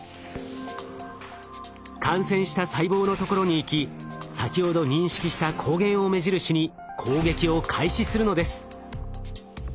感染した細胞のところに行き先ほど認識した抗原を目印に攻撃を開始するのです。